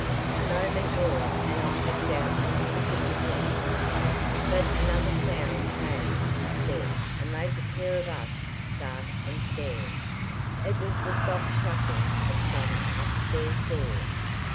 A moment more and I had doubtless forgiven him. But another sound came instead and made the pair of us start and stare. It was the soft shutting of some upstairs door.